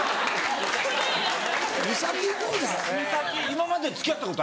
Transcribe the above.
今まで付き合ったこと？